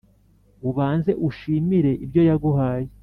ubanze ushimire ibyo yaguhaye